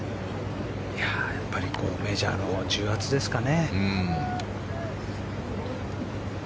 やっぱりメジャーの重圧ですかね。